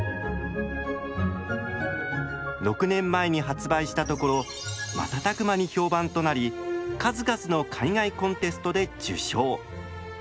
６年前に発売したところ瞬く間に評判となり数々の海外コンテストで受賞。